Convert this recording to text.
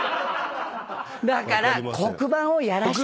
だから黒板をやらしてくれ。